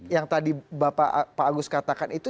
yang tadi pak agus katakan itu